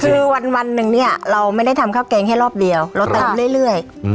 คือวันหนึ่งเนี่ยเราไม่ได้ทำข้าวแกงแค่รอบเดียวเราเติมเรื่อย